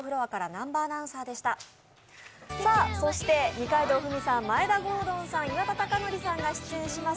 二階堂ふみさん、眞栄田郷敦さん、岩田剛典さんが出演します